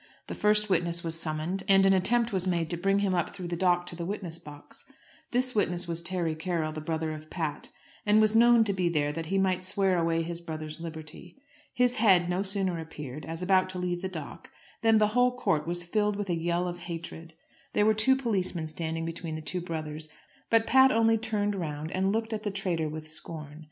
The first witness was summoned, and an attempt was made to bring him up through the dock into the witness box. This witness was Terry Carroll, the brother of Pat, and was known to be there that he might swear away his brother's liberty. His head no sooner appeared, as about to leave the dock, than the whole court was filled with a yell of hatred. There were two policemen standing between the two brothers, but Pat only turned round and looked at the traitor with scorn.